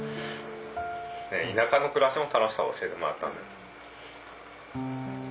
田舎の暮らしの楽しさを教えてもらったんで。